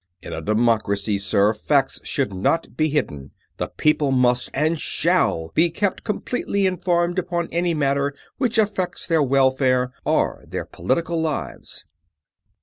In a democracy, sir, facts should not be hidden; the people must and shall be kept completely informed upon any matter which affects their welfare or their political lives!"